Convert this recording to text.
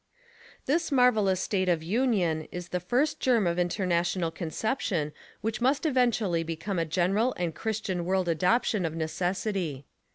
This marvelous state of unison is the first germ of international conception which must eventually become a general and Christian world adoption of neces sity.